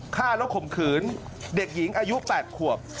ฆ่าแล้วข่มขืนเด็กหญิงอายุ๘ขวบ